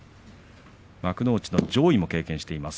上位も経験しています。